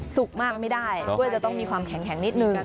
มากไม่ได้ก็เลยจะต้องมีความแข็งนิดนึง